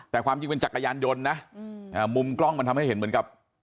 แต่ความจริงเป็นจักรยานยนต์นะมุมกล้องมันทำให้เห็นเหมือนกับ